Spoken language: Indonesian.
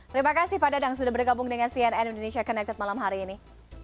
terima kasih pak dadang sudah bergabung dengan cnn indonesia connected malam hari ini